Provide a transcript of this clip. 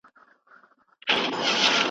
شرعیاتو پوهنځۍ بې هدفه نه تعقیبیږي.